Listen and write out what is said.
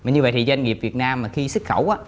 như vậy thì doanh nghiệp việt nam mà khi xích khẩu á